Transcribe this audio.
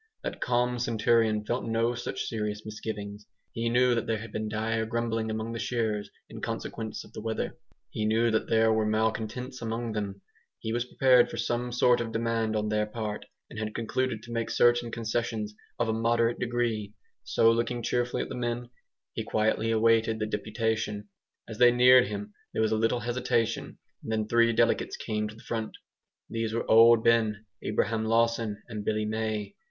That calm centurion felt no such serious misgivings. He knew that there had been dire grumbling among the shearers in consequence of the weather. He knew that there were malcontents among them. He was prepared for some sort of demand on their part, and had concluded to make certain concessions of a moderate degree. So looking cheerfully at the men, he quietly awaited the deputation. As they neared him there was a little hesitation, and then three delegates came to the front. These were Old Ben, Abraham Lawson, and Billy May.